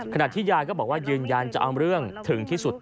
ยายก็บอกว่ายืนยันจะเอาเรื่องถึงที่สุด